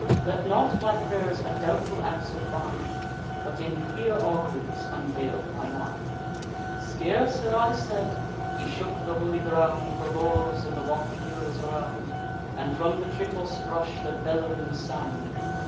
Let not my pray'rs a doubtful answer find; But in clear auguries unveil thy mind.' Scarce had I said: he shook the holy ground, The laurels, and the lofty hills around; And from the tripos rush'd a bellowing sound.